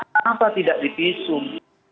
kenapa tidak dipisum